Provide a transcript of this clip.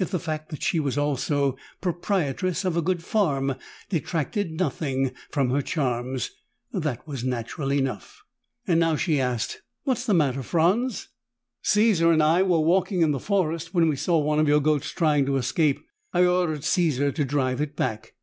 If the fact that she was also proprietress of a good farm detracted nothing from her charms, that was natural enough. Now she asked, "What's the matter, Franz?" "Caesar and I were walking in the forest when we saw one of your goats trying to escape. I ordered Caesar to drive it back."